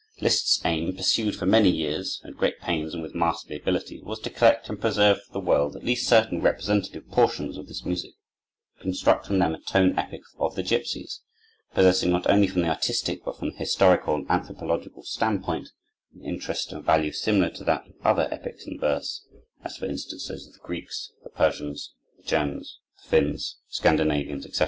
Liszt's aim, pursued for many years, at great pains and with masterly ability, was to collect and preserve for the world at least certain representative portions of this music, and construct from them a tone epic of the gipsies, possessing, not only from the artistic, but from the historical and anthropological standpoint, an interest and value similar to that of other epics in verse, as, for instance, those of the Greeks, the Persians, the Germans, the Finns, Scandinavians, etc.